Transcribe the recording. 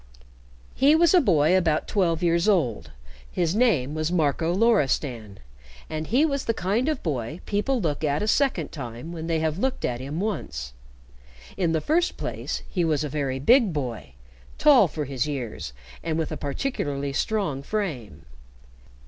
He was a boy about twelve years old, his name was Marco Loristan, and he was the kind of boy people look at a second time when they have looked at him once. In the first place, he was a very big boy tall for his years, and with a particularly strong frame.